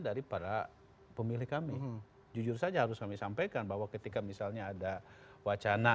dari para pemilih kami jujur saja harus kami sampaikan bahwa ketika misalnya ada wacana